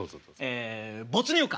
え没入感。